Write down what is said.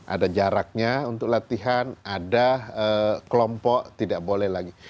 ada jaraknya untuk latihan ada kelompok tidak boleh lagi